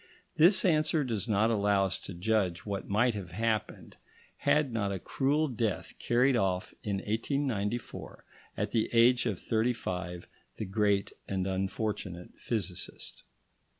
This answer does not allow us to judge what might have happened, had not a cruel death carried off in 1894, at the age of thirty five, the great and unfortunate physicist.